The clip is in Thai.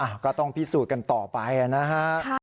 ก็ต้องพิสูจน์กันต่อไปนะฮะ